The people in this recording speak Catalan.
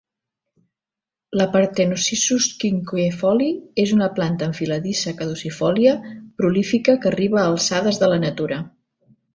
La "partenocissus quinquefoli" és una planta enfiladissa caducifòlia prolífica que arriba a alçades de la natura.